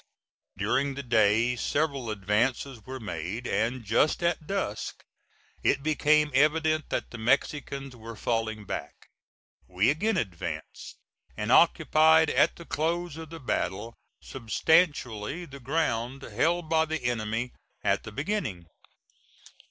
During the day several advances were made, and just at dusk it became evident that the Mexicans were falling back. We again advanced, and occupied at the close of the battle substantially the ground held by the enemy at the beginning.